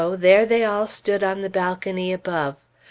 there they all stood on the balcony above.